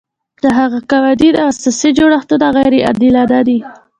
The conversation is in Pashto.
د هغه قوانین او اساسي جوړښتونه غیر عادلانه دي.